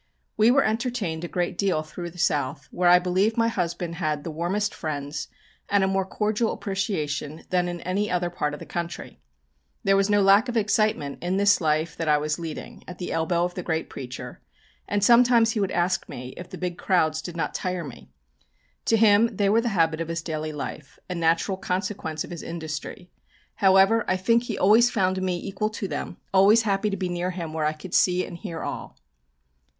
We were entertained a great deal through the South, where I believe my husband had the warmest friends and a more cordial appreciation than in any other part of the country. There was no lack of excitement in this life that I was leading at the elbow of the great preacher, and sometimes he would ask me if the big crowds did not tire me. To him they were the habit of his daily life, a natural consequence of his industry. However, I think he always found me equal to them, always happy to be near him where I could see and hear all.